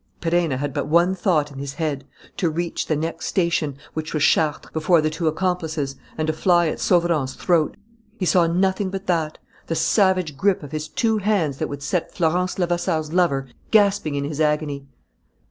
Perenna had but one thought in his head: to reach the next station, which was Chartres, before the two accomplices, and to fly at Sauverand's throat. He saw nothing but that: the savage grip of his two hands that would set Florence Levasseur's lover gasping in his agony.